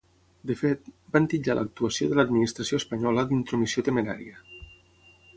De fet, van titllar l’actuació de l’administració espanyola dintromissió temerària.